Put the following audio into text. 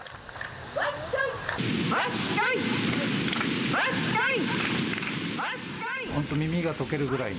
わっしょい。